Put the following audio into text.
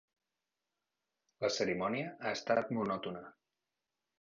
La cerimònia ha estat monòtona.